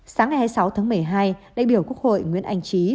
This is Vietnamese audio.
sáng ngày hai mươi sáu tháng một mươi hai đại biểu quốc hội nguyễn anh trí